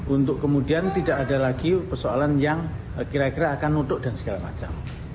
untuk kemudian tidak ada lagi persoalan yang kira kira akan nutuk dan segala macam